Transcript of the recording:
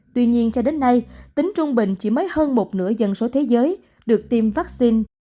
tuy nhiên cho đến nay tính trung bình chỉ mới hơn một nửa dân số thế giới được tiêm vaccine